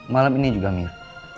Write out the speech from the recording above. malam ini juga mir